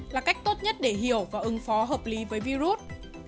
là cách tốt nhất để hiểu và ứng phó hợp lý với virus